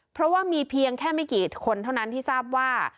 เพราะว่ามีเพียงแค่ไม่กี่คนเท่านั้นที่ทราบว่า